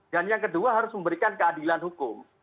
dan yang kedua harus memberikan keadilan hukum